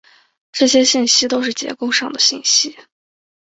这些信息都是结构上的信息。